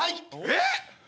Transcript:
えっ？